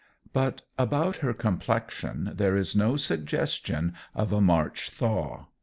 But about her complexion there is no suggestion of a March thaw.